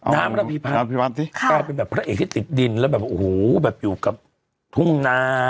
น้ำระพีพันธ์กลายเป็นแบบพระเอกที่ติดดินแล้วแบบโอ้โหแบบอยู่กับทุ่งนา